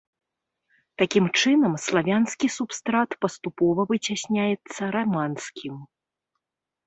Такім чынам, славянскі субстрат паступова выцясняецца раманскім.